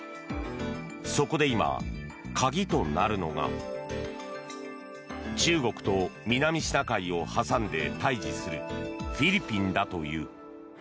そこで今、鍵となるのが中国と南シナ海を挟んで対峙するフィリピンだという。